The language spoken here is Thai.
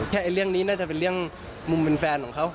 เรื่องนี้น่าจะเป็นเรื่องมุมเป็นแฟนของเขา